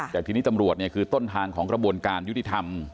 แต่ทีนี้ตำรวจคือต้นทางของกระบวนการยุติธรรม